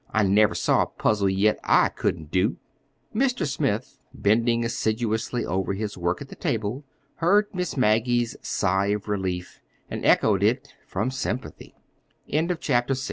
"I never saw a puzzle yet I couldn't do!" Mr. Smith, bending assiduously over his work at the table, heard Miss Maggie's sigh of relief—and echoed it, from sympat